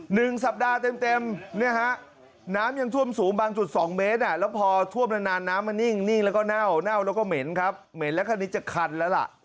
หนึ่งสัปดาห์เต็มเต็มเนี่ยฮะน้ำยังท่วมสูงบางจุดสองเมตรอ่ะแล้วพอท่วมนานนานน้ำมันนิ่งนิ่งแล้วก็เน่าเน่าแล้วก็เหม็นครับเหม็นแล้วคันนี้จะคันแล้วล่ะ